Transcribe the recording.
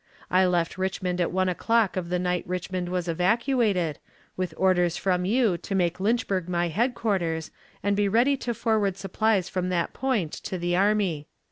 ... I left Richmond at one o'clock of the night Richmond was evacuated, with orders from you to make Lynchburg my headquarters, and be ready to forward supplies from that point to the army.